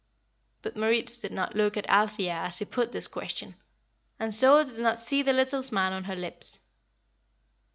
But Moritz did not look at Althea as he put this question, and so did not see the little smile on her lips.